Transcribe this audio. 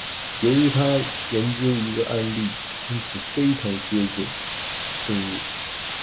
由于它仅研究一个案例，因此非常接近，深入。